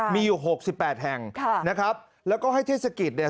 มีอยู่๖๘แห่งนะครับแล้วก็ให้เทศกิจเนี่ย